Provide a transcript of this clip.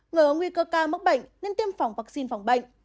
người có nguy cơ cao mắc bệnh nên tiêm phòng vaccine phòng bệnh